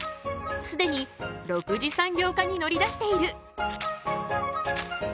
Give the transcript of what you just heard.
すでに６次産業化に乗り出している！